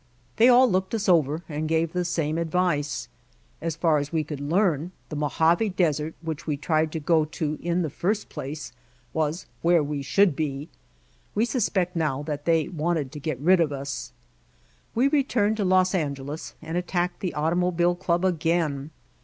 They all looked us over and gave the same advice. As far as we could learn, the Mojave Desert which we tried to go to in the first place was where we should be. We sus pect now that they wanted to get rid of us. We returned to Los Angeles and attacked the Automobile Club again.